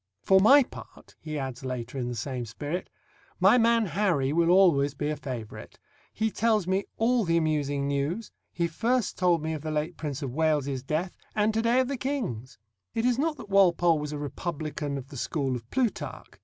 "For my part," he adds later in the same spirit, "my man Harry will always be a favourite; he tells me all the amusing news; he first told me of the late Prince of Wales's death, and to day of the King's." It is not that Walpole was a republican of the school of Plutarch.